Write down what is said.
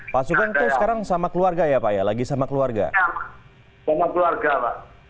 pasukan kau sekarang sama keluarga ya pak ya lagi sama keluarga keluarga pak